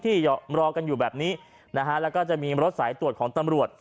รอกันอยู่แบบนี้นะฮะแล้วก็จะมีรถสายตรวจของตำรวจ